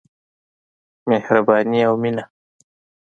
مهرباني او مينه.